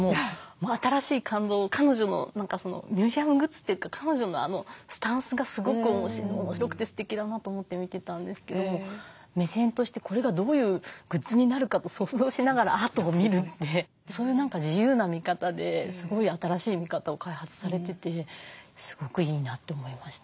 新しい感動彼女のミュージアムグッズというか彼女のスタンスがすごく面白くてすてきだなと思って見てたんですけども目線としてこれがどういうグッズになるかと想像しながらアートを見るってそういう自由な見方ですごい新しい見方を開発されててすごくいいなって思いました。